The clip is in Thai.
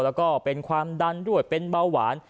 แล้วก็เป็นความดันด้วยเป็นเบาหวาน